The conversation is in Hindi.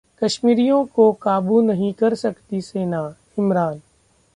कश्मीरियों को काबू नहीं कर सकती सेना: इमरान